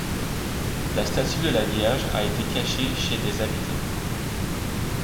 La statue de la Vierge a été cachée chez des habitants.